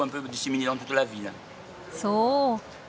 そう。